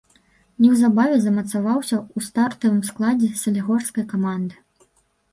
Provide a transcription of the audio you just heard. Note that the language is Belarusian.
Неўзабаве замацаваўся ў стартавым складзе салігорскай каманды.